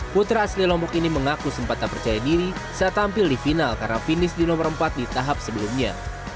putra asli lombok ini mengaku sempat tak percaya diri saat tampil di final karena finish di nomor empat di tahap sebelumnya